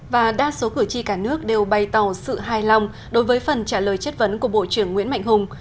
và đa số cử tri cả nước đều bay tàu sự hài lòng đối với phần trả lời chấp vấn của bộ trưởng nguyễn mạnh hùng